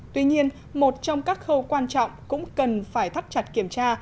tuy nhiên một trong các khâu quan trọng cũng cần phải thắt chặt kiểm tra